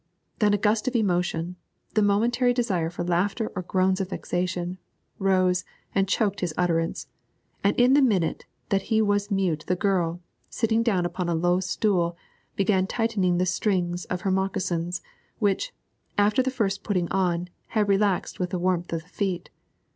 Then a gust of emotion, the momentary desire for laughter or groans of vexation, rose and choked his utterance, and in the minute that he was mute the girl, sitting down upon a low stool, began tightening the strings of her moccasins, which, after the first putting on, had relaxed with the warmth of the feet.